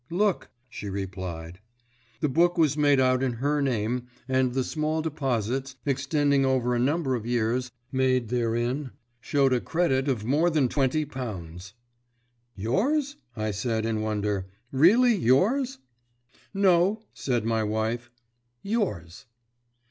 "Look," she replied. The book was made out in her name, and the small deposits, extending over a number of years, made therein showed a credit of more than twenty pounds. "Yours?" I said, in wonder. "Really yours?" "No," said my wife. "Yours."